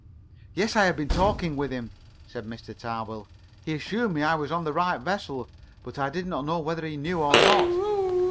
"Yes, I have been talking with him," said Mr. Tarbill. "He assured me I was on the right vessel, but I did not know whether he knew or not."